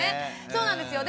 そうなんですよ。